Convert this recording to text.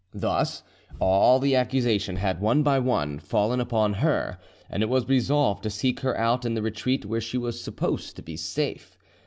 Thus, all the accusations had, one by one, fallen upon her, and it was resolved to seek her out in the retreat where she was supposed to be safe.